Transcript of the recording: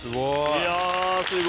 いやあすごい。